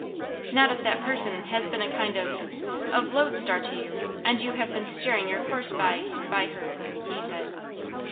"Not if that person has been a kind of of lode star to you, and you have been steering your course by by her," he said.